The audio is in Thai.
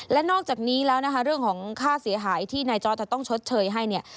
และนอกจากนี้แล้วนะคะเรื่องของค่าเสียหายที่นายจอร์ดจะต้องชดเชยให้เนี่ย